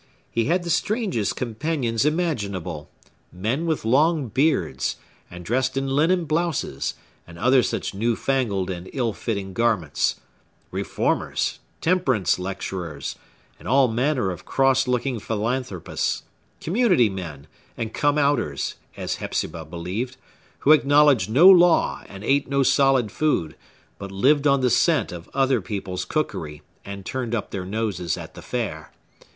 He had the strangest companions imaginable; men with long beards, and dressed in linen blouses, and other such new fangled and ill fitting garments; reformers, temperance lecturers, and all manner of cross looking philanthropists; community men, and come outers, as Hepzibah believed, who acknowledged no law, and ate no solid food, but lived on the scent of other people's cookery, and turned up their noses at the fare.